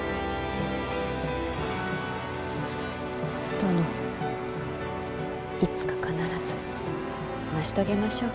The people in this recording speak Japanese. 殿いつか必ず成し遂げましょう。